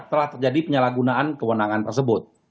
telah terjadi penyalahgunaan kewenangan tersebut